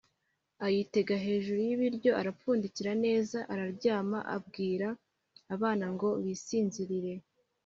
ayitega hejuru y’ibiryo arapfundikira neza araryama abwira abana ngo bisinzirire.